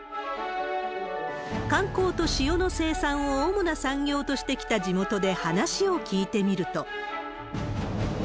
観光と塩の生産を主な産業としてきた地元で話を聞いてみると。